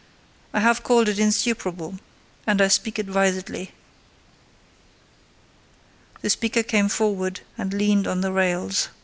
"I have called it insuperable, and I speak advisedly." The speaker came forward and leaned on the rails.